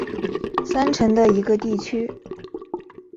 三城的一个地区。